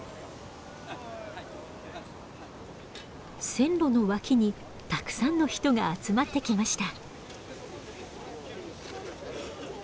線路の脇にたくさんの人が集まってきました。